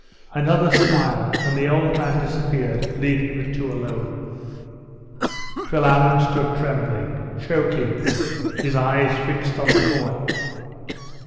Another smile; and the old man disappeared, leaving the two alone. Philammon stood trembling, choking, his eyes fixed on the floor.